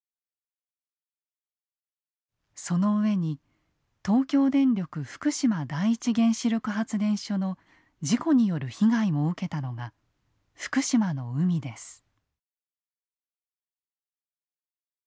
その上に東京電力福島第一原子力発電所の事故による被害も受けたのが福島の海です。